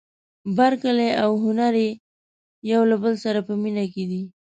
بارکلي او هنري یو له بل سره په مینه کې دي.